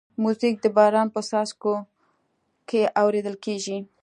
موزیک د باران په څاڅو کې اورېدل کېږي.